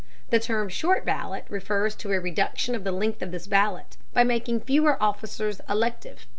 The term "short ballot" refers to a reduction of the length of this ballot by making fewer officers elective.